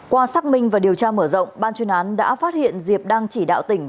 qua xác minh và điều tra mở rộng ban chuyên án đã phát hiện diệp đang chỉ đạo tỉnh